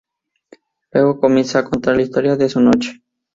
Luego comienza a contar la historia de su noche.